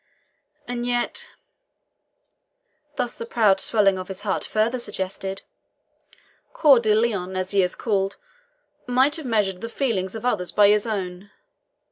And yet" thus the proud swelling of his heart further suggested "Coeur de Lion, as he is called, might have measured the feelings of others by his own.